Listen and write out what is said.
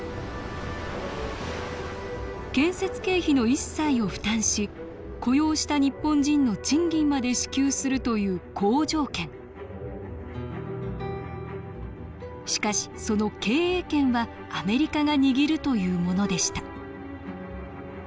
建設経費の一切を負担し雇用した日本人の賃金まで支給するという好条件しかしその経営権はアメリカが握るというものでした